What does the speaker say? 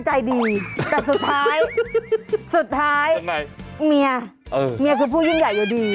ใช้เมียได้ตลอด